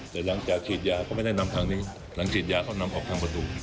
แต่หลังจากฉีดยาก็ไม่ได้นำทางนี้หลังฉีดยาเขานำออกทางประตู